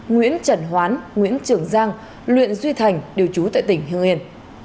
nguyễn trần hoán nguyễn trường giang luyện duy thành đều chú tại tỉnh hưng yên